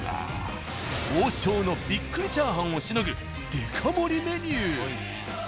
「王将」のびっくり炒飯をしのぐデカ盛りメニュー。